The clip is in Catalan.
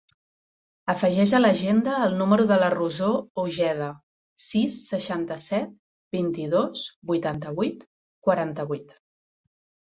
Afegeix a l'agenda el número de la Rosó Ojeda: sis, seixanta-set, vint-i-dos, vuitanta-vuit, quaranta-vuit.